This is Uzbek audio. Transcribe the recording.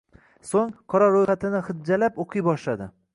So`ng, qora ro`yxatini hijjalab o`qiy boshladi